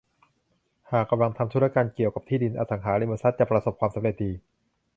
หากกำลังทำธุรกรรมเกี่ยวกับที่ดิน อสังหาริมทรัพย์ จะประสบความสำเร็จดี